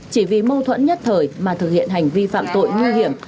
chỉ vì mâu thuẫn nhất thời mà thực hiện hành vi phạm tội nguy hiểm